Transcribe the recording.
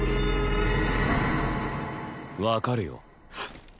分かるよ